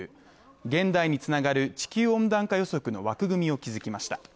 現代につながる地球温暖化予測の枠組みを築きました。